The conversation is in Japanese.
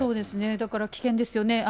だから危険ですよね。